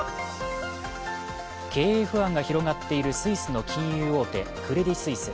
経営不安が広がっているスイスの金融大手、クレディ・スイス。